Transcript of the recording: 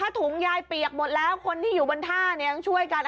ถุงพี่ยายเปียกหมดแล้วคนที่อยู่บันท่าเองช่วยกัน